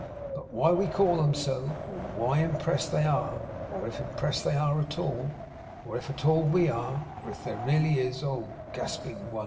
But why we call them so, or why impressed they are, or if impressed they are at all, or if at all we are, or if there really is, oh gasping one!